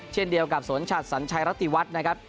เช่นเดียวกับสนชัดสัญชัยรติวัฒน์นะครับ